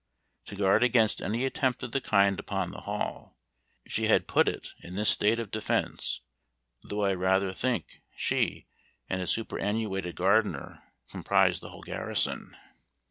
To guard against any attempt of the kind upon the Hall, she had put it in this state of defence; though I rather think she and a superannuated gardener comprised the whole garrison.